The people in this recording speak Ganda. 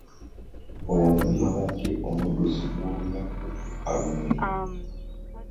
Ono y'abadde omuddusi w'olunaku e Kalungu